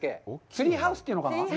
ツリーハウスっていうのかな？